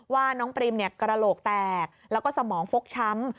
ว่าน้องปริมกระโหลกแตกแล้วก็สมองฟกช้ำ